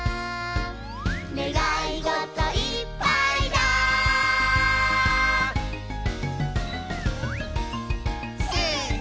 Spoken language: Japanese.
「ねがいごといっぱいだ」せの！